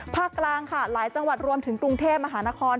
กลางค่ะหลายจังหวัดรวมถึงกรุงเทพมหานคร